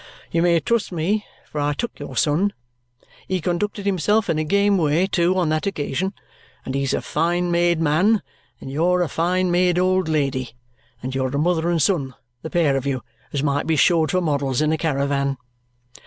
You may trust me, for I took your son. He conducted himself in a game way, too, on that occasion; and he's a fine made man, and you're a fine made old lady, and you're a mother and son, the pair of you, as might be showed for models in a caravan.